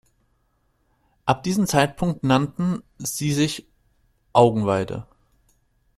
Ab diesem Zeitpunkt nannten sie sich Ougenweide.